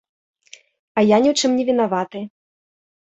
А я ні ў чым не вінаваты.